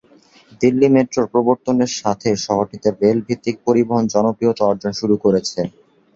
দিল্লি মেট্রোর প্রবর্তনের সাথে শহরটিতে রেল ভিত্তিক পরিবহন জনপ্রিয়তা অর্জন শুরু করেছে।